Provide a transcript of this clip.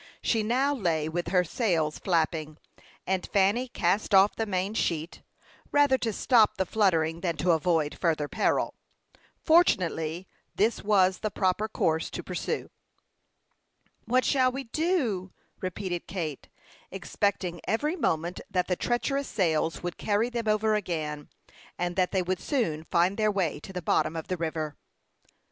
She now lay with her sails flapping, and Fanny cast off the main sheet, rather to stop the fluttering than to avoid further peril. Fortunately, this was the proper course to pursue. "What shall we do?" repeated Kate, expecting every moment that the treacherous sails would carry them over again, and that they would soon find their way to the bottom of the river.